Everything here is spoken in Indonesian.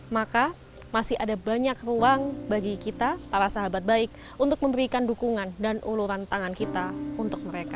maka masih ada banyak ruang bagi kita para sahabat baik untuk memberikan dukungan dan uluran tangan kita untuk mereka